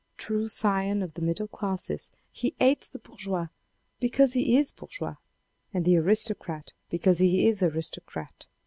True scion of the middle classes he hates the bourgeois because he is bourgeois, and the aristocrat because he is aristocrat.